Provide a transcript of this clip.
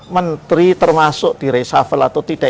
menteri termasuk di reshuffle atau tidak